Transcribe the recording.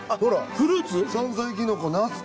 フルーツ？